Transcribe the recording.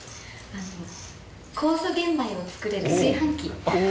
酵素玄米を作れる炊飯器。